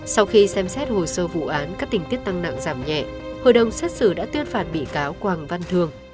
sau khi xem xét hồ sơ vụ án các tình tiết tăng nặng giảm nhẹ hội đồng xét xử đã tuyên phạt bị cáo quảng văn thường